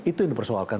itu yang dipersoalkan